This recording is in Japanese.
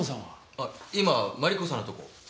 あっ今マリコさんのとこ。